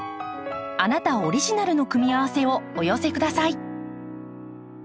あなたオリジナルの組み合わせをお寄せください。